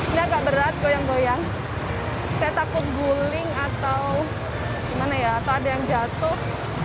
ini agak berat goyang goyang saya takut guling atau gimana ya atau ada yang jatuh